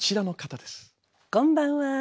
こんばんは。